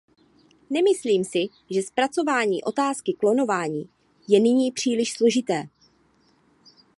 Nemyslím si, že zpracování otázky klonování je nyní příliš složité.